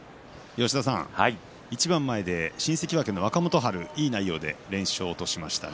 一番前で新関脇の若元春いい内容で連勝としました。